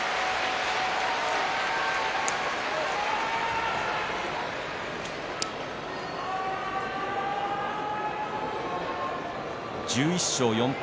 拍手１１勝４敗